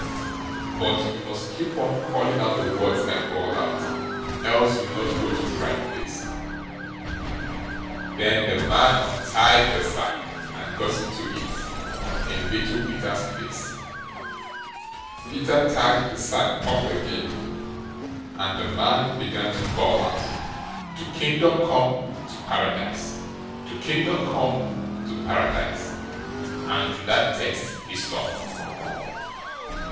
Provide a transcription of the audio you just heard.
But you must keep on calling out the words I bawled out, else you'll not go to the right place." Then the man untied the sack, and got into it in Little Peter's place: Peter tied the sack up again and the man began to bawl out: To Kingdom come, to Paradise. To Kingdom come, to Paradise. and to that text he stuck.